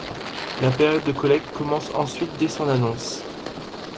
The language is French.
La période de collecte commence ensuite dès son annonce.